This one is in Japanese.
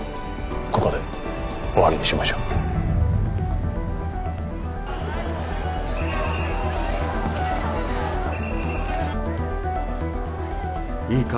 ここで終わりにしましょういいか？